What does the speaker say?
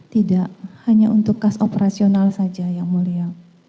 tidak hanya untuk kas operasional saja yang mulia